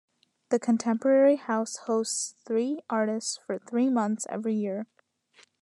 The contemporary house hosts three artists for three months every year.